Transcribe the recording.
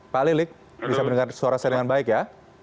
pak lilik bisa mendengar suara saya dengan baik ya